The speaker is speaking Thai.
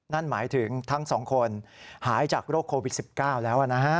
นั่นหมายถึงทั้ง๒คนหายจากโรคโควิด๑๙แล้วนะฮะ